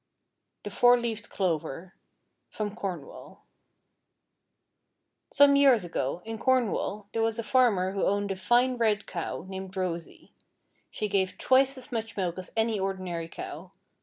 THE FOUR LEAVED CLOVER From Cornwall Some years ago, in Cornwall, there was a farmer who owned a fine red cow, named Rosy. She gave twice as much milk as any ordinary cow.